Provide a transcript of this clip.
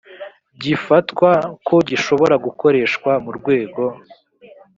gifatwa ko gishobora gukoreshwa mu rwego